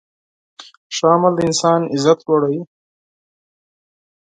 ښه عمل د انسان عزت لوړوي.